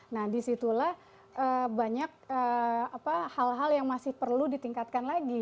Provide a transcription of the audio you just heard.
nah disitulah banyak hal hal yang masih perlu ditingkatkan lagi